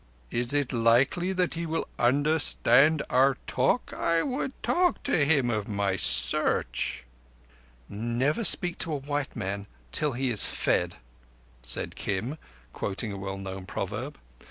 Is it likely that he will understand our talk? I would talk to him of my Search." "Never speak to a white man till he is fed," said Kim, quoting a well known proverb.